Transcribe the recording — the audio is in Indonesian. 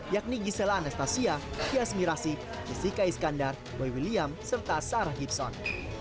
yakni gisela anastasia yasmi rasyid jessica iskandar boy william serta sarah gibson